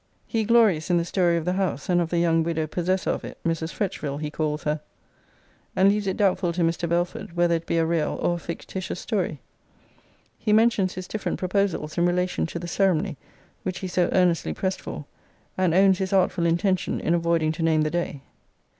[He glories in the story of the house, and of the young widow possessor of it, Mrs. Fretchville he calls her; and leaves it doubtful to Mr. Belford, whether it be a real or a fictitious story. He mentions his different proposals in relation to the ceremony, which he so earnestly pressed for; and owns his artful intention in avoiding to name the day.